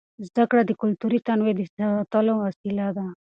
زده کړه د کلتوري تنوع د ساتلو وسیله ده.